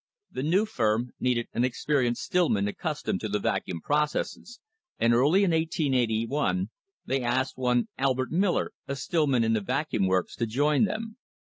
The new firm needed an experienced stillman accustomed to the Vacuum processes, and early in 1881 they asked one Albert Miller, a stillman in the Vacuum works, to join them.